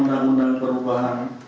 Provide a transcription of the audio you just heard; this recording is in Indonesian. enam undang undang perubahan